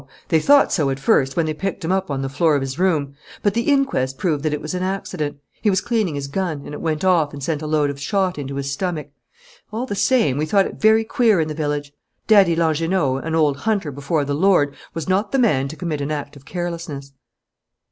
They thought so at first, when they picked him up on the floor of his room; but the inquest proved that it was an accident. He was cleaning his gun, and it went off and sent a load of shot into his stomach. All the same, we thought it very queer in the village. Daddy Langernault, an old hunter before the Lord, was not the man to commit an act of carelessness."